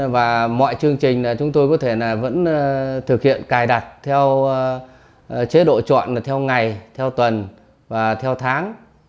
và mọi chương trình chúng tôi có thể vẫn thực hiện cài đặt theo chế độ chọn là theo ngày theo tuần và theo tháng